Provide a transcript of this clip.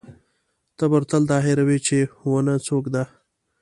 تبر تل دا هېروي چې ونه څوک ده.